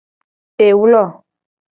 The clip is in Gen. Ewlo.